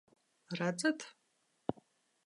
Redzat?